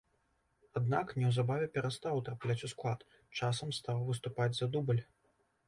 Аднак, неўзабаве перастаў трапляць у склад, часам стаў выступаць за дубль.